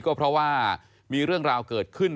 ก็เพราะว่ามีเรื่องราวเกิดขึ้น